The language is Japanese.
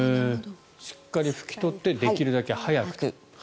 しっかり拭き取ってできるだけ早く。